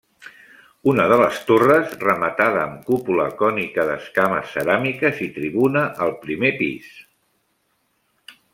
Una de les torres, rematada amb cúpula cònica d'escames ceràmiques i tribuna al primer pis.